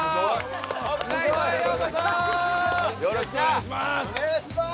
よろしくお願いします！